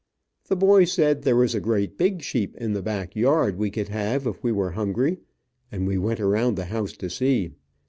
The boy said there was a great big sheep in the back yard we could have, if we were hungry, and we went around the house to see.